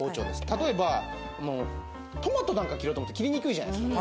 例えばトマトなんか切ろうと思うと切りにくいじゃないですか。